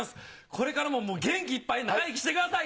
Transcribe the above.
これからも元気いっぱい長生きしてください。